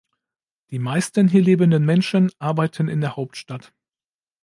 Die meisten hier lebenden Menschen arbeiten in der Hauptstadt.